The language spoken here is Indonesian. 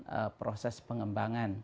untuk bisa melakukan proses pengembangan